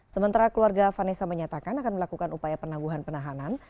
sementara keluarga vanessa menyatakan akan melakukan upaya penangguhan penahanan